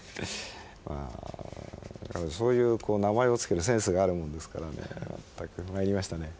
まあ彼女そういう名前を付けるセンスがあるもんですからねまったく参りましたね。